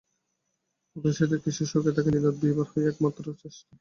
উদয়াদিত্য কিসে সুখে থাকেন, দিনরাত বিভার সেই একমাত্র চেষ্টা।